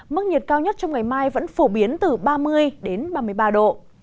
mức nhiệt cao nhất trong ngày mai vẫn phổ biến từ ba mươi đến ba mươi ba độ